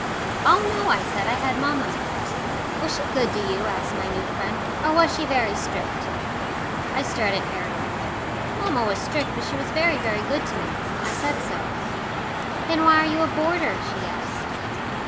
"Oh no," I said. "I had mamma." "Was she good to you," asked my new friend, "or was she very strict?" I stared at Harriet. Mamma was strict, but she was very, very good to me. I said so. "Then why are you a boarder?" she asked.